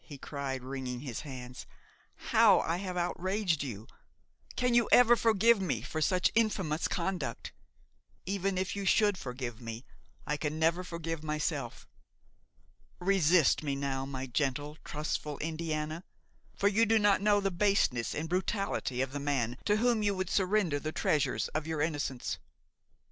he cried, wringing his hands, "how I have outraged you! Can you ever forgive me for such infamous conduct? Even if you should forgive me, I can never forgive myself. Resist me now, my gentle, trustful Indiana; for you do not know the baseness and brutality of the man to whom you would surrender the treasures of your innocence!